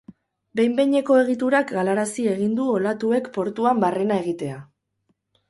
Behin-behineko egiturak galarazi egin du olatuek portuan barrena egitea.